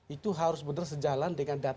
itu harus benar sejalan dengan data